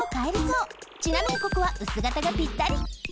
ちなみにここはうすがたがぴったり。